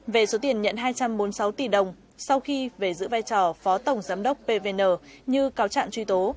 về số tiền nhận hai trăm bốn mươi sáu tỷ đồng sau khi về giữ vai trò phó tổng giám đốc pvn như cáo trạng truy tố